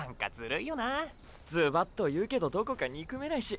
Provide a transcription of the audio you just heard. ズバッと言うけどどこか憎めないし。